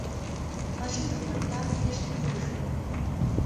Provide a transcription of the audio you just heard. ماشوم د خپل پلار په غېږ کې ویده شو.